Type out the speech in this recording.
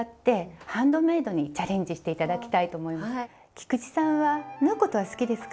菊池さんは縫うことは好きですか？